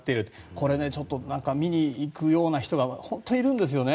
これ、見に行くような人が本当にいるんですよね。